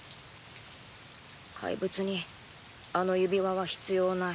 怪物にあの指輪は必要ない。